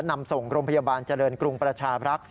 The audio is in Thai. นำส่งโรงพยาบาลเจริญกรุงประชาบรักษ์